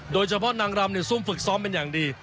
โดยเฉพาะนางรำซุ่มฝึกซ้อมเป็นอย่างดี